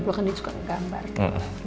lu kan dia suka gambar